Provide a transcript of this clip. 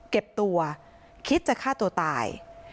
เก็บตัวคิดจะฆ่าตัวตาย